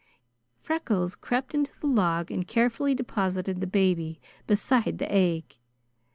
Freckles crept into the log and carefully deposited the baby beside the egg.